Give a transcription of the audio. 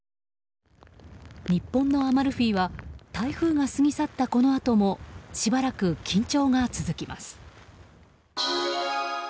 日本のアマルフィは台風が過ぎ去ったこのあともしばらく緊張が続きます。